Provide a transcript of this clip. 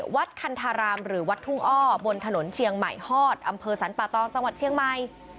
วัดคันธารามหรือวัดทุ่งอ้อบนถนนเชียงใหม่ฮอดอำเภอสรรปะตองจังหวัดเชียงใหม่